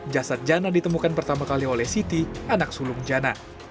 jasad jana ditemukan pertama kali oleh siti anak sulung jana